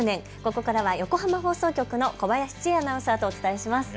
ここからは横浜放送局の小林千恵アナウンサーとお伝えします。